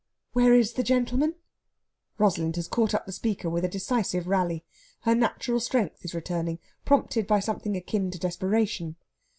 "Where is the gentleman?" Rosalind has caught up the speaker with a decisive rally. Her natural strength is returning, prompted by something akin to desperation.